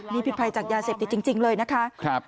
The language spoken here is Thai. นี่ผิดภัยจากยาเสพติดจริงเลยนะคะ